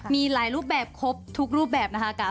มีหลายรูปแบบครบทุกรูปแบบนะคะ